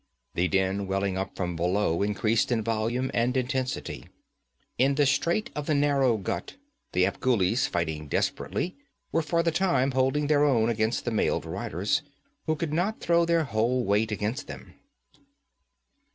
The din welling up from below increased in volume and intensity. In the strait of the narrow gut, the Afghulis, fighting desperately, were for the time holding their own against the mailed riders, who could not throw their whole weight against them.